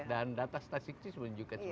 dan data stasiun juga menunjukkan